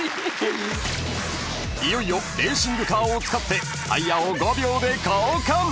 ［いよいよレーシングカーを使ってタイヤを５秒で交換］